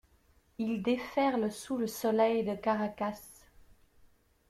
Ils déferlent sous le soleil de Caracas.